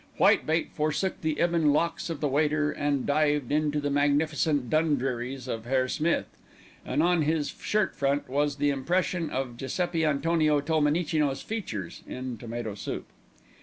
Whitebait forsook the ebon locks of the waiter and dived into the magnificent Dundrearys of Herr Smith, and on his shirt front was the impression of Giuseppi Antonio Tolmenicino's features in tomato soup.